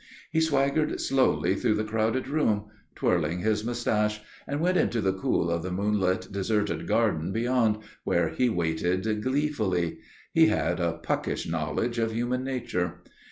He swaggered slowly through the crowded room, twirling his moustache, and went into the cool of the moonlit deserted garden beyond, where he waited gleefully. He had a puckish knowledge of human nature.